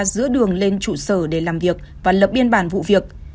giữa đường lên trụ sở để làm việc và lập biên bản vụ việc